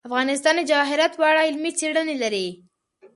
افغانستان د جواهرات په اړه علمي څېړنې لري.